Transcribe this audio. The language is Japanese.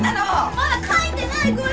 まだ描いてないこれ。